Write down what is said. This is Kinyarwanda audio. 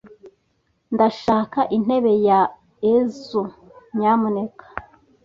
Ndashaka intebe ya aisle, nyamuneka.